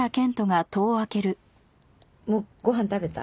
もうご飯食べた？